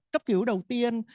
cấp cứu đầu tiên